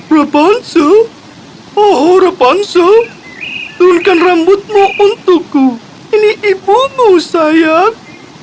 rapunzel oh rapunzel turunkan rambutmu untukku ini ibumu sayang